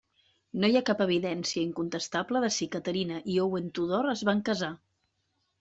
No hi ha cap evidència incontestable de si Caterina i Owen Tudor es van casar.